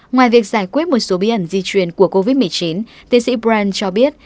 ngoài việc giải quyết một số bí ẩn di truyền của covid một mươi chín tiến sĩ brand cho biết